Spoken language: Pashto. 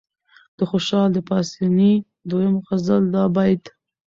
د خوشال د پاسني دويم غزل دا بيت